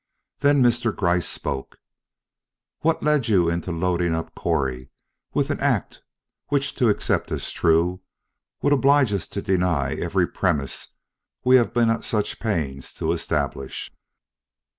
Then Mr. Gryce spoke: "What led you into loading up Correy with an act which to accept as true would oblige us to deny every premise we have been at such pains to establish?"